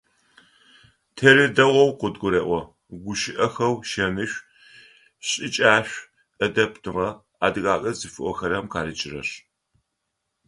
Тэри дэгъоу къыдгурэӀо гущыӀэхэу шэнышӀу, шӀыкӀашӀу, Ӏэдэбныгъэ, адыгагъэ зыфиӀохэрэм къарыкӀырэр.